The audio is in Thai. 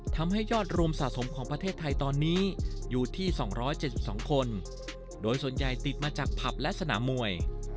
ทำให้ยอดรวมสะสมของประเทศไทยตอนนี้อยู่ที่๒๗๒คนโดยส่วนใหญ่ติดมาจากผับและสนามมวย